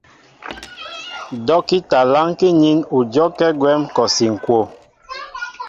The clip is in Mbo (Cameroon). Dɔ́kita lánkí nín ú dyɔ́kɛ́ gwɛ̌m kɔsi ŋ̀kwoo.